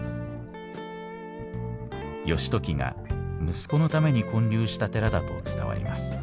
義時が息子のために建立した寺だと伝わります。